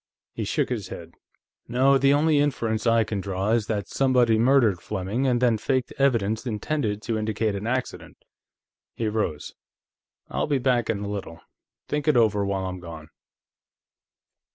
He shook his head. "No, the only inference I can draw is that somebody murdered Fleming, and then faked evidence intended to indicate an accident." He rose. "I'll be back, in a little; think it over, while I'm gone."